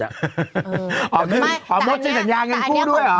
หมดเสียสัญญาเงินกู้ด้วยเหรอ